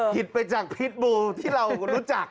ผิดไปจากพิษบูที่เรารู้จัก